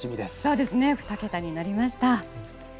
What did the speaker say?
２桁になりました。